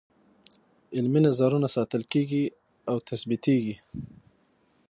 عملي نظرونه ساتل کیږي او ثبتیږي.